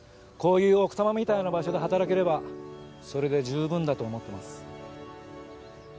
こういう奥多摩みたいな場所で働ければそれで十分だと思ってます。